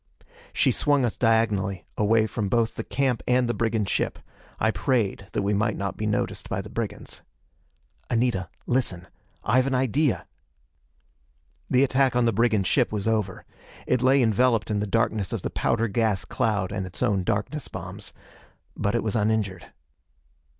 She swung us diagonally away from both the camp and the brigand ship. I prayed that we might not be noticed by the brigands. "Anita, listen: I've an idea!" The attack on the brigand ship was over. It lay enveloped in the darkness of the powder gas cloud and its own darkness bombs. But it was uninjured.